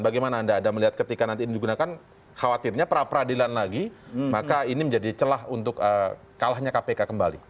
bagaimana anda melihat ketika nanti ini digunakan khawatirnya pra peradilan lagi maka ini menjadi celah untuk kalahnya kpk kembali